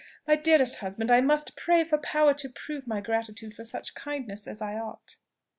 My dearest husband, I must pray for power to prove my gratitude for such kindness as I ought!"